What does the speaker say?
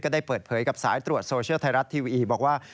ได้เปิดเผยกับสายตรวจโซเชียลไทยรัฐทีวีบอกว่า